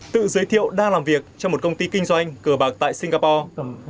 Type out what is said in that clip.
tự giới thiệu đang làm việc trong một công ty kinh doanh cờ bạc tại singapore